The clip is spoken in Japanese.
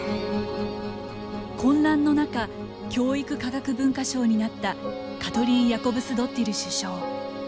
混乱の中教育科学文化相になったカトリン・ヤコブスドッティル首相。